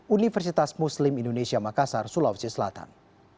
universitas muslim indonesia makassar sulawesi selatan